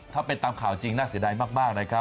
ถ้าเป็นตามข่าวจริงน่าเสียดายมากนะครับ